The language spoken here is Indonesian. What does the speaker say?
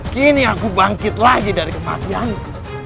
kini aku bangkit lagi dari kematianku